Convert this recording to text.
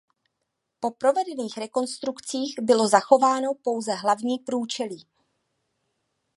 Po provedených rekonstrukcích bylo zachováno pouze hlavní průčelí.